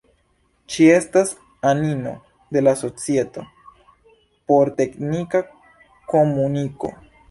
Ŝi estas anino de la Societo por Teknika Komuniko.